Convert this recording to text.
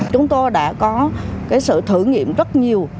chúng tôi đã có sự thử nghiệm rất nhiều